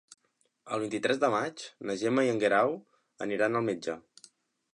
El vint-i-tres de maig na Gemma i en Guerau aniran al metge.